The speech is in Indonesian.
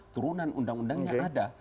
turunan undang undangnya ada